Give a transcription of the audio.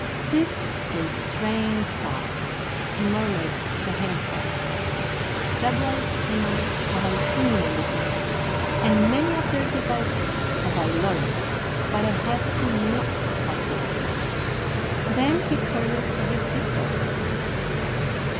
"'Tis a strange sight," he murmured to himself. "Jugglers enow have I seen in the East, and many of their devices have I learned, but I have seen naught like this." Then he turned to his betrothed.